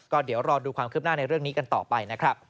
ก็เดี๋ยวรอดูความคืบหน้าในเรื่องนี้กันต่อไปนะครับ